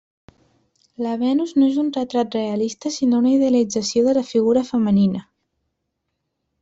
La Venus no és un retrat realista sinó una idealització de la figura femenina.